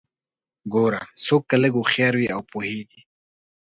ګوره څوک که لږ هوښيار وي او پوهیږي